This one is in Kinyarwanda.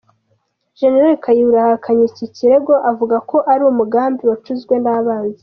Gen Kayihura yahakanye iki kirego avuga ko ari umugambi wacuzwe n’abanzi be.